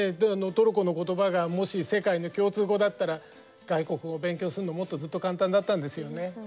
トルコのことばがもし世界の共通語だったら外国語勉強するのもっとずっと簡単だったんですよね。